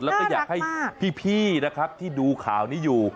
แล้วก็อยากให้พี่นะครับที่ดูข่าวนี้อยู่